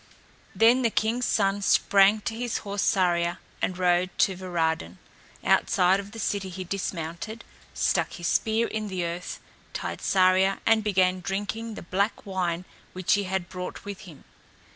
Then the king's son sprang to his horse Saria and rode to Varadin. Outside of the city he dismounted, stuck his spear in the earth, tied Saria and began drinking the black wine which he had brought with him.